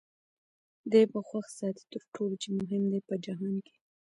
دی به خوښ ساتې تر ټولو چي مهم دی په جهان کي